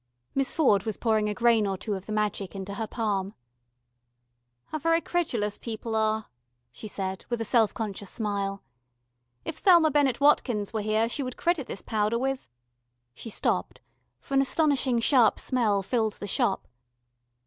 Miss Ford was pouring a grain or two of the magic into her palm. "How very credulous people are," she said with a self conscious smile. "If Thelma Bennett Watkins were here she would credit this powder with " She stopped, for an astonishing sharp smell filled the Shop.